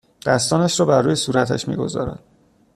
دستانش را بر روی صورتش میگذارد